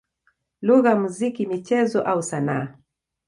lugha, muziki, michezo au sanaa.